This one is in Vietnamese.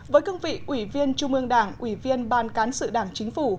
với cương vị ủy viên trung ương đảng ủy viên ban cán sự đảng chính phủ